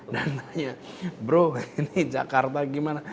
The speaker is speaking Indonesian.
dan tanya bro ini jakarta gimana